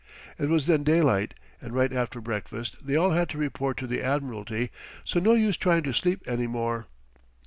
It was then daylight, and right after breakfast they all had to report to the admiralty, so no use trying to sleep any more.